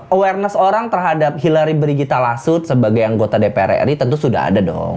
awareness orang terhadap hillary brigita lasut sebagai anggota dpr ri tentu sudah ada dong